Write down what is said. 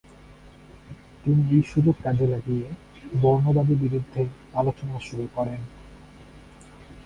তিনি এই সুযোগ কাজে লাগিয়ে বর্ণবাদের বিরুদ্ধে আলোচনা শুরু করেন।